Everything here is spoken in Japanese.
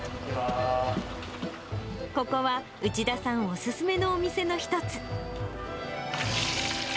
ここは内田さんお勧めのお店の一つ。